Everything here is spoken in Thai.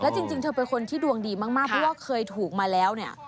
จริงเธอเป็นคนที่ดวงดีมากเพราะว่าเคยถูกมาแล้วเนี่ย